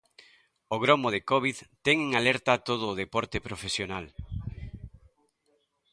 O gromo de Covid ten en alerta todo o deporte profesional.